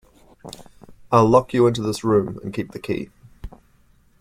I’ll lock you into this room and keep the key.